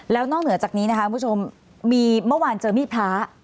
แล้วนอกเหนือจากนี้นะคะมีเมื่อวานเจอมีพระ